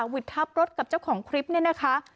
วิทย์ทับรถกับเจ้าของคลิปเนี่ยนะคะ